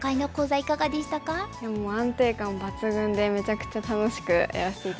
いやもう安定感抜群でめちゃくちゃ楽しくやらせて頂きました。